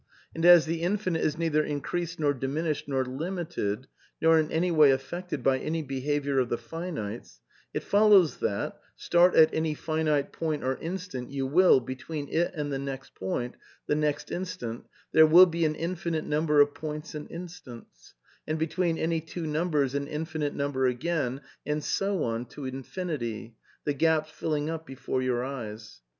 And as the Infinite is neither increased nor di minished, nor limited, nor in any way affected by any be haviour of the finites, it follows that, start at any finite point, or instant, you will, between it and the next point, the next instant, there will be an infinite number of points and instants, and between any two numbers an in finite number again, and so on to infinity, the gaps filling up before your eyes.